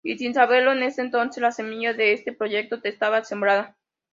Y sin saberlo en ese entonces, la semilla de este proyecto estaba sembrada.